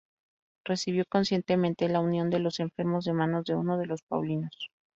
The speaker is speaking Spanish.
Recibió conscientemente la unción de los enfermos de manos de uno de los paulinos.